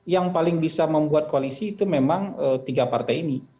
yang paling bisa membuat koalisi itu memang tiga partai ini